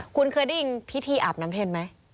คุณเคยได้ยินพิธีอาบน้ำเพ็ญไหม